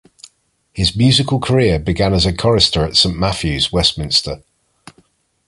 His musical career began as a chorister at Saint Matthew's, Westminster.